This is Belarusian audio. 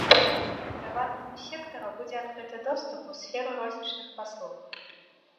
Прыватнаму сектару будзе адкрыты доступ у сферу рознічных паслуг.